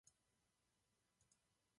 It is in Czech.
Většinu kariéry strávil v Maine.